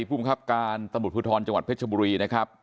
ผู้มอบคับการตะหมุดภูทรจังหวัดเพชรชมบุรีนะครับ